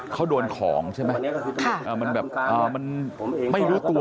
เขาโดนของใช่ไหมมันแบบมันไม่รู้ตัว